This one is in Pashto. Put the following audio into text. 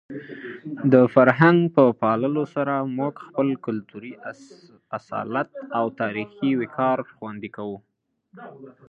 د فرهنګ په پاللو سره موږ خپل کلتوري اصالت او تاریخي وقار خوندي کوو.